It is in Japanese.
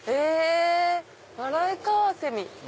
ワライカワセミ。